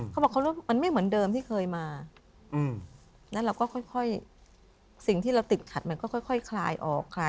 เขาบอกมันไม่เหมือนเดิมที่เคยมา